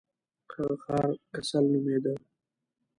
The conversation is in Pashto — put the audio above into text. هغه ښار کسل نومیده.